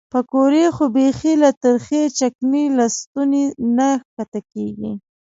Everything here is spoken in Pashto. پیکورې خو بیخي له ترخې چکنۍ له ستوني نه ښکته کېږي.